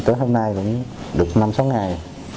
tới hôm nay cũng được năm sáu ngày